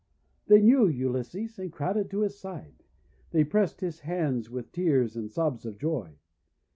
They knew Ulysses, and crowded to his side. They pressed his hands with tears and sobs of joy.